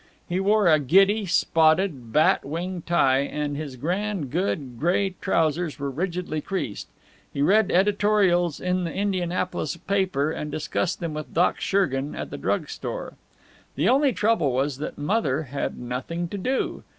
He wore a giddy, spotted, bat wing tie, and his grand good gray trousers were rigidly creased. He read editorials in the Indianapolis paper and discussed them with Doc Schergan at the drug store. The only trouble was that Mother had nothing to do.